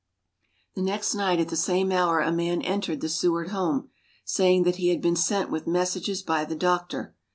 The next night at the same hour a man entered the Seward home, saying that he had been sent with messages by the doctor.